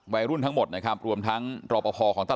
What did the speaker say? วัยรุ่นทั้งหมดนะครับรวมทั้งฝปของตาหลาดนัทด้วยนะครับ